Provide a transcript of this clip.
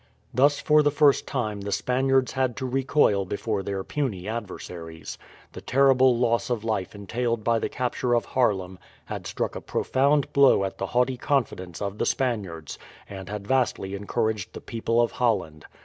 Thus for the first time the Spaniards had to recoil before their puny adversaries. The terrible loss of life entailed by the capture of Haarlem had struck a profound blow at the haughty confidence of the Spaniards, and had vastly encouraged the people of Holland.